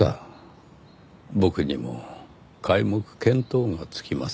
僕にも皆目見当がつきません。